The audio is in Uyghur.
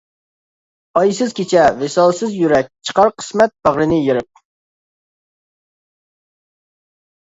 ئايسىز كېچە، ۋىسالسىز يۈرەك چىقار قىسمەت باغرىنى يېرىپ.